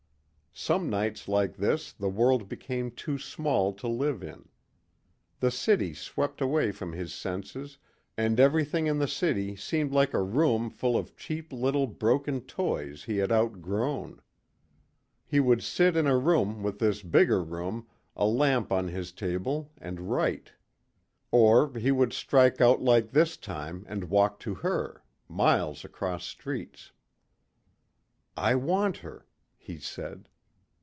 Some nights like this the world became too small to live in. The city swept away from his senses and everything in the city seemed like a room full of cheap little broken toys he had outgrown. He would sit in a room within this bigger room, a lamp on his table and write. Or he would strike out like this time and walk to her miles across streets. "I want her," he said.